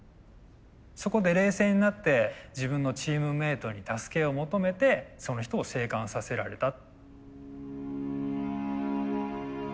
そこで冷静になって自分のチームメートに助けを求めてその人を生還させられた。